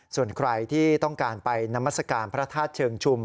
ส่วนใครที่ต้องการไปนามัศกาลพระธาตุเชิงชุม